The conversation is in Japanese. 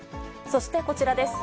そしてこちらです。